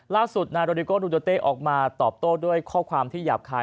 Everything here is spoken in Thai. ล่าสุดนายโรดิโก้ดูโดเต้ออกมาตอบโต้ด้วยข้อความที่หยาบคาย